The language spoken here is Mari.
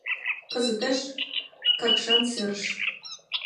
Кызытеш — Какшан серыш.